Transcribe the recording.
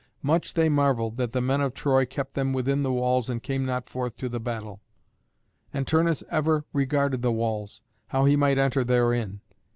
Much they marvelled that the men of Troy kept them within the walls and came not forth to the battle. And Turnus ever regarded the walls, how he might enter therein.